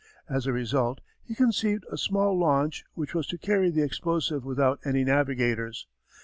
As a result he conceived a small launch which was to carry the explosive without any navigators.